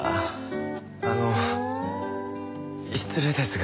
あの失礼ですが。